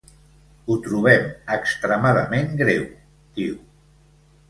Ho trobem extremadament greu, diu.